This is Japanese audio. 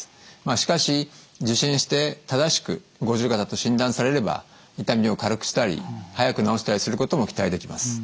しかし受診して正しく五十肩と診断されれば痛みを軽くしたり早く治したりすることも期待できます。